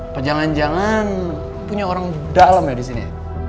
apa jangan jangan punya orang dalem ya di sini